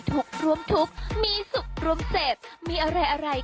หนูล้ำเทะใจ